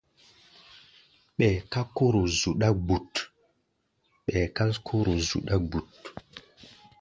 Ɓɛɛ ká kóro zuɗa bút.